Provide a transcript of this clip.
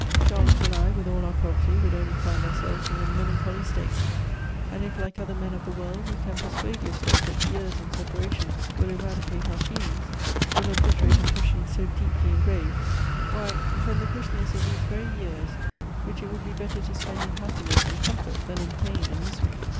Charlotte and I, with all ■our property, would only find ourselves in a melancholy state. And if, like other men of the world, yon can persuade yourself that years and separation will eradi cate our feelings ; will obliterate impressions so deeply engraved ; why, then the question is of these very years, which it would be better to spend in happiness and com fort than in pain and misery.